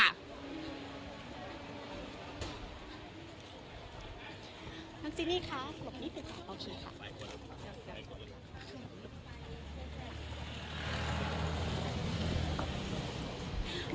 ทั้งสินี่ค่ะ